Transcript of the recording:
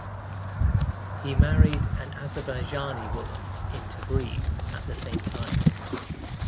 He married an Azerbaijani woman in Tabriz at the same time.